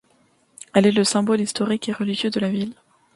Elle est le symbole historique et religieux de la ville.